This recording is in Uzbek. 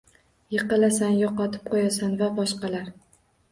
“Yiqilasan”, “Yo‘qotib qo‘yasan” va boshqalar.